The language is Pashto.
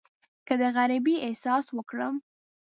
که د غریبۍ احساس وکړم.